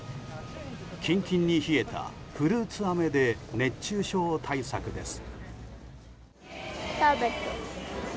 キンキンに冷えたフルーツあめで熱中症対策です。